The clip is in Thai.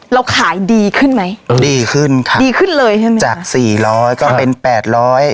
เราขายดีขึ้นไหมดีขึ้นค่ะดีขึ้นเลยใช่ไหมจากสี่ร้อยก็เป็นแปดร้อย